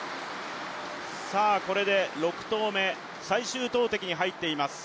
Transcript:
これで６投目、最終投てきに入っています。